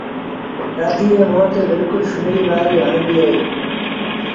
نآديٚ ري مݩهݩ تي بلڪُل سنڙيٚ وآريٚ هڻبيٚ اهي۔